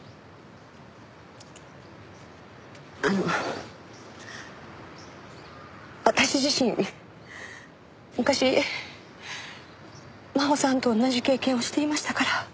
あの私自身昔真穂さんと同じ経験をしていましたから。